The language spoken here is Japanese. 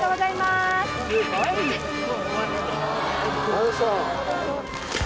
すごい。